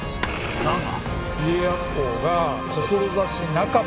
［だが］